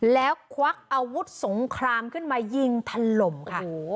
แล้วควักอาวุธสงครามขึ้นมายิงทันลมค่ะโอ้โห